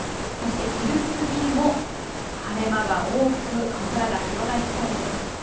そして昼過ぎも晴れ間が多く青空が広がりそうです。